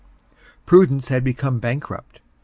Prudence had become bankrupt.